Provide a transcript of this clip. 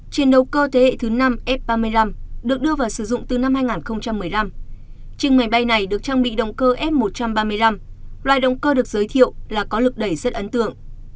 chiến đấu cơ thế hệ thứ năm f ba mươi năm được đưa vào sử dụng từ năm hai nghìn một mươi năm chiếc máy bay này được trang bị động cơ f một trăm ba mươi năm loài động cơ được giới thiệu là có lực đẩy rất ấn tượng